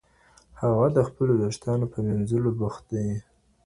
هغه د خپلو وېښتانو په مینځلو بوخت دی.